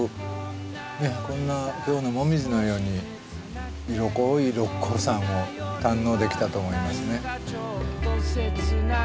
こんな今日の紅葉のように色濃い六甲山を堪能できたと思いますね。